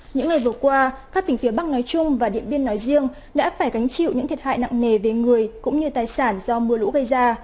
những ngày vừa qua các tỉnh phía bắc nói chung và điện biên nói riêng đã phải gánh chịu những thiệt hại nặng nề về người cũng như tài sản do mưa lũ gây ra